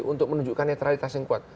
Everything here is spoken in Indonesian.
untuk menunjukkan netralitas yang kuat